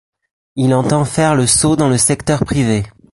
Il entend faire le saut dans le secteur privé.